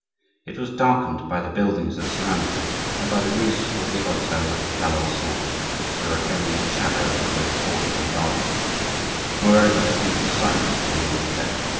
It was darkened by the buildings that surrounded it and by the roofs of the hotel d'Alencon which threw a heavy shadow over both court and garden; moreover, a deep silence reigned there.